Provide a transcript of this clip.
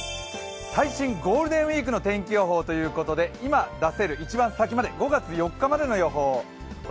最新ゴールデンウイークの天気予報ということで今、出せる一番先まで、５月４日までの予想